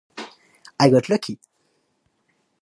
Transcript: I got lucky.